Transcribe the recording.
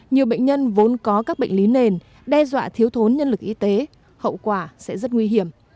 nhiều bệnh nhân vốn có các bệnh lý nền đe dọa thiếu thốn nhân lực y tế hậu quả sẽ rất nguy hiểm